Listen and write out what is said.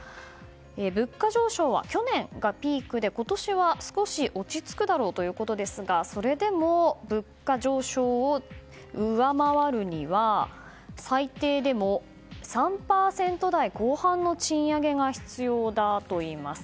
物価上昇は去年がピークで今年は少し落ち着くだろうということですがそれでも、物価上昇を上回るには最低でも３％台後半の賃上げが必要だといいます。